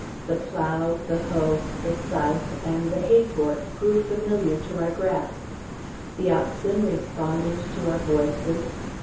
The plough, the hoe, the scythe, and the hay fork grew familiar to our grasp. The oxen responded to our voices.